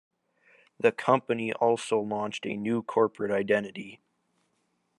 The company also launched a new corporate identity.